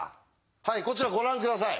はいこちらご覧下さい。